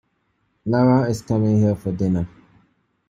Lara is coming here for dinner.